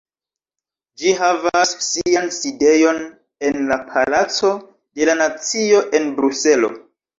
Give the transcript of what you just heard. Ĝi havas sian sidejon en la Palaco de la Nacio en Bruselo.